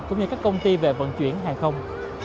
cũng như các công ty về vận chuyển hàng không